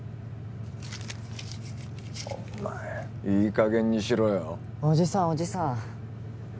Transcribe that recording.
お前いい加減にしろよおじさんおじさん